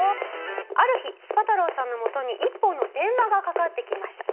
ある日スパ太郎さんのもとに１本の電話がかかってきました。